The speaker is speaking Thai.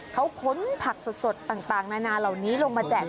เขาค้นผักสดต่างนานาเหล่านี้ลงมาแจก